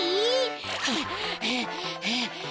はあはあはあ。